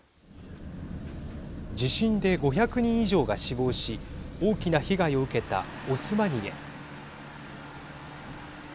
地震で５００人以上が死亡し大きな被害を受けたオスマニエ。